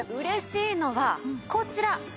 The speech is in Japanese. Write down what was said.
嬉しいのはこちら。